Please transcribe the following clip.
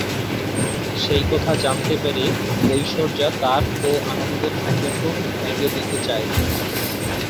সেই কথা জানতে পেরে ঐশ্বর্যা তার ও আনন্দের সম্পর্ক ভেঙে দিতে চায়।